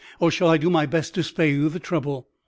or shall I do my best to spare you the trouble?"